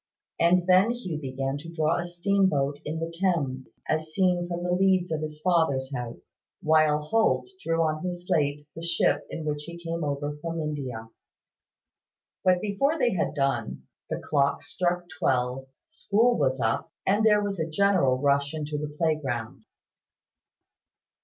And then Hugh began to draw a steamboat in the Thames, as seen from the leads of his father's house; while Holt drew on his slate the ship in which he came over from India. But before they had done, the clock struck twelve, school was up, and there was a general rush into the playground.